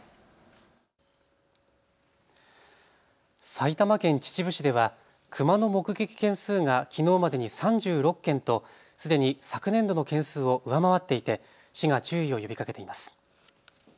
埼玉県秩父市ではクマの目撃件数がきのうまでに３６件とすでに昨年度の件数を上回っていて市が注意を呼びかけています。